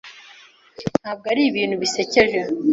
Ntabwo ari ibintu bisekeje.